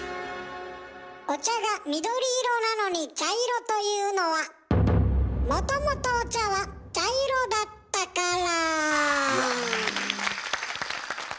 お茶が緑色なのに茶色というのはもともとお茶は茶色だったから。